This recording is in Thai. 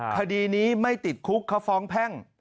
คดีนี้ไม่ติดคุกเขาฟ้องแพ่ง